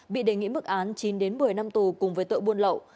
bị đề nghị mức án chín đến một mươi năm tù cùng với tội buôn lậu